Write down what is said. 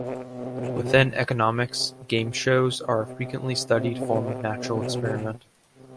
Within economics, game shows are a frequently studied form of natural experiment.